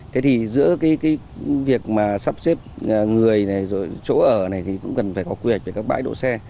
thế thì giữa việc sắp xếp người chỗ ở này cũng cần phải có quy hoạch về các bãi đỗ xe